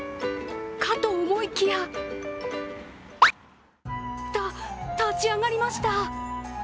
かと思いきやた、立ち上がりました。